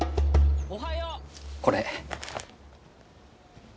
これ。